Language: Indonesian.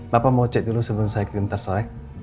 bapak mau cek dulu sebelum saya ketemu ntar soal ya